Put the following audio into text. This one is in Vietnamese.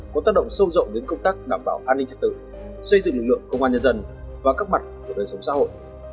có tác động sâu rộng đến công tác đảm bảo an ninh trật tự xây dựng lực lượng công an nhân dân và các mặt của đời sống xã hội